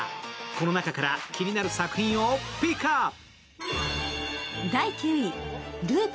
この中から気になる作品をピックアップ。